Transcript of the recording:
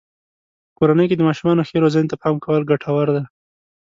په کورنۍ کې د ماشومانو ښې روزنې ته پام کول ګټور دی.